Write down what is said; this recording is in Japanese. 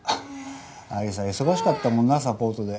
有沙忙しかったもんなサポートで。